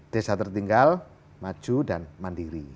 desa tertinggal maju dan mandiri